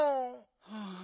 はあ。